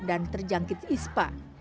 dan terjangkit ispa